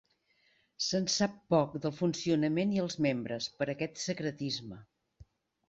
Se'n sap poc del funcionament i els membres, per aquest secretisme.